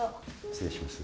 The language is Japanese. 失礼します。